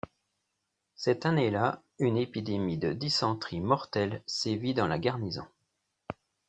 Cette année-là, une épidémie de dysenterie mortelle sévit dans la garnison.